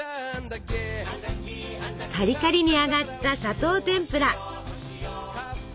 カリカリに揚がった砂糖てんぷら。